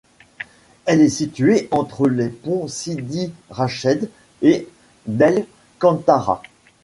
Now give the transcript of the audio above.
Elle est située entre les ponts Sidi Rached et d'El-Kantara.